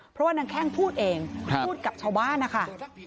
เพราะว่านางแข้งพูดเองพูดกับชาวบ้านนะคะ